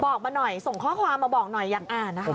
บอกมาหน่อยส่งข้อความมาบอกหน่อยอยากอ่านนะคะ